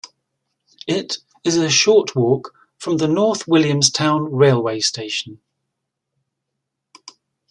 It is a short walk from the North Williamstown railway station.